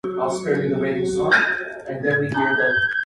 The Gryphons are the only program with a perfect record in Vanier Cup games.